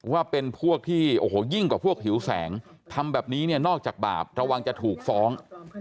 ว่าเป็นพวกที่โอ้โหยิ่งกว่าพวกหิวแสงทำแบบนี้เนี่ยนอกจากบาประวังจะถูกฟ้อง